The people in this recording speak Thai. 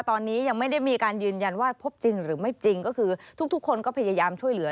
ตอนนี้ยังไม่ได้มีการยืนยันว่าพบจริงหรือไม่จริงก็คือทุกคนก็พยายามช่วยเหลือ